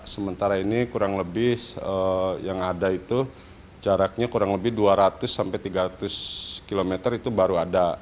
sementara ini kurang lebih yang ada itu jaraknya kurang lebih dua ratus sampai tiga ratus km itu baru ada